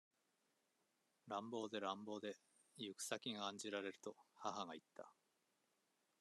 乱暴で乱暴で、ゆく先が案じられると、母がいった。